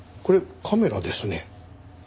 これカメラですね。